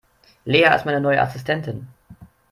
Lea ist meine neue Assistentin.